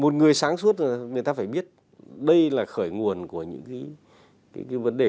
một người sáng suốt người ta phải biết đây là khởi nguồn của những cái vấn đề